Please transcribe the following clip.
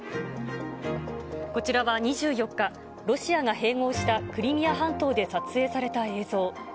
こちらは２４日、ロシアが併合したクリミア半島で撮影された映像。